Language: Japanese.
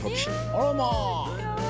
あらま！